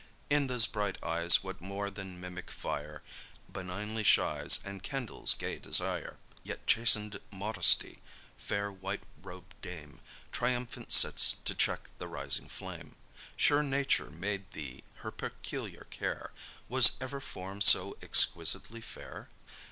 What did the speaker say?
In those bright eyes what more than mimic fire Benignly shines, and kindles gay desire! Yet chasten'd modesty, fair white robed dame, Triumphant sits to check the rising flame. Sure nature made thee her peculiar care: Was ever form so exquisitely fair?